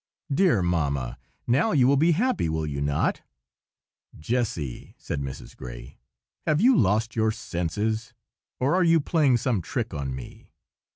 Dear Mamma, now you will be happy, will you not?" "Jessy," said Mrs. Gray, "have you lost your senses, or are you playing some trick on me?